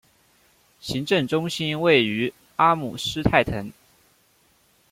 行政中心位于阿姆施泰滕。